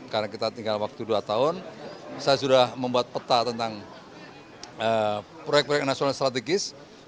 karena kita tinggal waktu dua tahun saya sudah membuat peta tentang proyek proyek nasional strategis